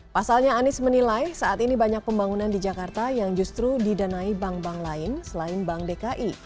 pasalnya anies menilai saat ini banyak pembangunan di jakarta yang justru didanai bank bank lain selain bank dki